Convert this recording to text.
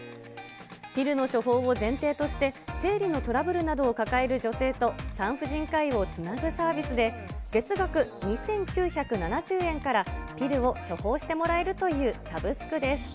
ピルの処方を前提として、生理のトラブルなどを抱える女性と、産婦人科医をつなぐサービスで、月額２９７０円からピルを処方してもらえるというサブスクです。